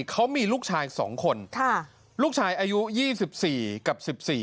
เขามีลูกชาย๒คนลูกชายอายุ๒๔กับ๑๔